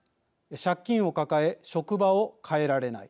借金を抱え、職場を変えられない。